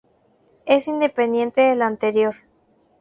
Es independiente de la anterior.